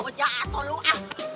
berantem lu ya